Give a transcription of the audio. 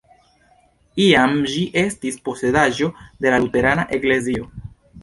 Iam ĝi estis posedaĵo de la luterana eklezio.